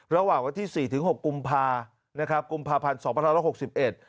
ระหว่างวันที่สี่ถึงหกกุมภานะครับกุมภาพันธ์สองพันร้อยหกสิบเอ็ด